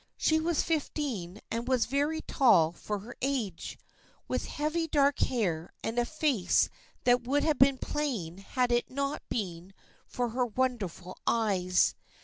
She was fifteen and was very tall for her age, with heavy dark hair and a face that would have been plain had it not been for her wonderful eyes.